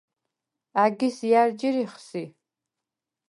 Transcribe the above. ა̈გის ჲა̈რ ჯირიხ სი?